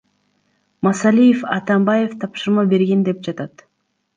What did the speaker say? Масалиев Атамбаев тапшырма берген деп жатат.